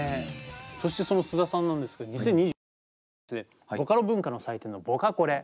そしてその須田さんなんですけど２０２１年にはですねボカロ文化の祭典のボカコレ。